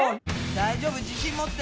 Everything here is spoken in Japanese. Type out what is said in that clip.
大丈夫自信持って。